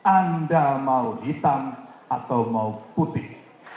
anda mau hitam atau mau putih